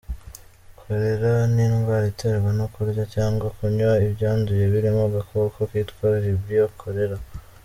Cholera ni indwara iterwa no kurya cyangwa kunywa ibyanduye birimo agakoko kitwa Vibrio cholerae.